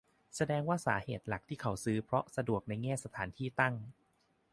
แสดงว่าสาเหตุหลักที่เขาซื้อเพราะสะดวกในแง่สถานที่ตั้ง